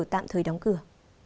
tạm thời đóng cửa